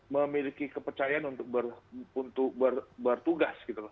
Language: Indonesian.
memiliki kepercayaan untuk bertugas